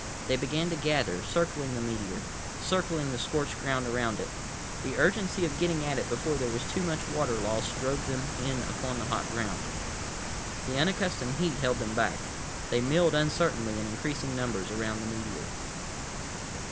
They began to gather, circling the meteor, circling the scorched ground around it. The urgency of getting at it before there was too much water lost drove them in upon the hot ground. The unaccustomed heat held them back. They milled uncertainly, in increasing numbers, around the meteor.